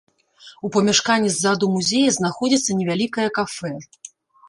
У памяшканні ззаду музея знаходзіцца невялікае кафэ.